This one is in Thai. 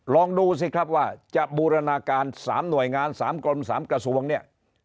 ลองดูสิครับว่าจะบูรณาการ๓หน่วยงาน๓กรม๓กระทรวงเนี่ย